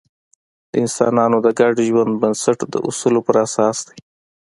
د انسانانو د ګډ ژوند بنسټ د اصولو پر اساس دی.